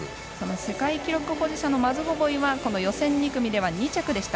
世界記録保持者のマズゴボイは予選２組では２着でした。